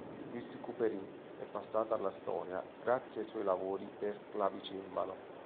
Louis Couperin è passato alla storia grazie ai suoi lavori per clavicembalo.